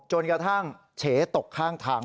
จนกระทั่งเฉตกข้างทาง